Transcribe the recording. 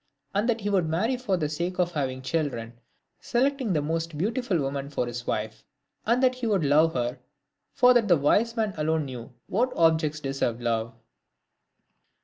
Arid that he would marry for the sake of having children, selecting the most beautiful woman for his wife. And that he would love her; for that the wise man alone knew what objects deserved love.